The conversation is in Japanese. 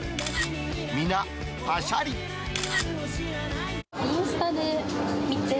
皆、ぱしゃり。インスタで見て。